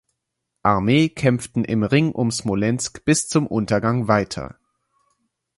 Armee kämpften im Ring um Smolensk bis zum Untergang weiter.